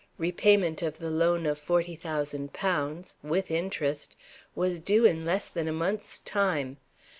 Repayment of the loan of forty thousand pounds (with interest) was due in less than a month's time.